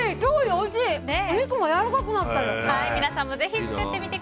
お肉もやわらかくなってる！